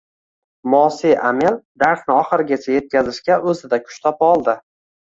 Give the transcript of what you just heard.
Mos`e Amel darsni oxirigacha etkazishga o`zida kuch topa oldi